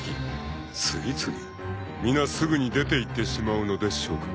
皆すぐに出ていってしまうのでしょうか］